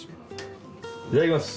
いただきます。